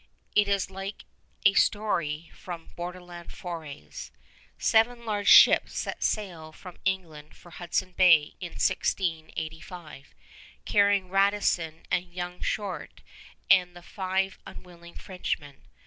It is like a story from borderland forays. Seven large ships set sail from England for Hudson Bay in 1685, carrying Radisson and young Chouart and the five unwilling Frenchmen.